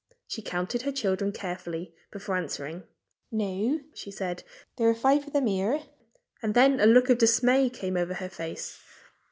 She counted her children carefully before answering. "No!" she said. "There are five of them here." And then, a look of dismay came over her face.